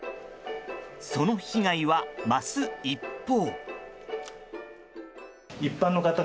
その被害は、増す一方。